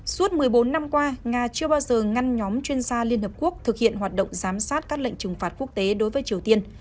suốt một mươi bốn năm qua nga chưa bao giờ ngăn nhóm chuyên gia liên hợp quốc thực hiện hoạt động giám sát các lệnh trừng phạt quốc tế đối với triều tiên